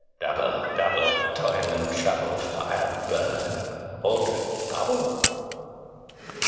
ALL Double, double toil and trouble; Fire burn and cauldron bubble.